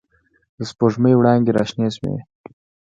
د سپوږ مۍ وړانګې را شنې شوې